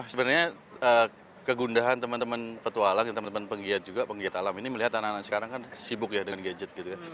sebenarnya kegundahan teman teman petualang dan teman teman penggiat juga penggiat alam ini melihat anak anak sekarang kan sibuk ya dengan gadget gitu ya